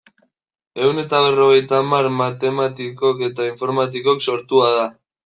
Ehun eta berrogeita hamar matematikok eta informatikok sortua da.